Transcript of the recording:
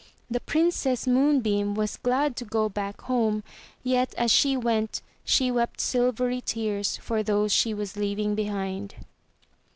The Princess Moonbeam was glad to go back home, yet as she went, she wept silvery tears for those she was leaving behind.